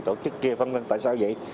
tổ chức kia phân vân tại sao vậy